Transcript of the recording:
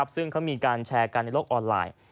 ซึ่งเขามีการแชร์กันในโลกออนไลน์